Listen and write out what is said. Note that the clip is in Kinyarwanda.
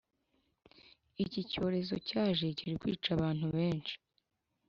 icyi cyorezo cyaje kiri kwica abantu benshi